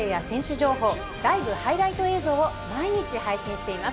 情報ライブ・ハイライト映像を毎日配信しています。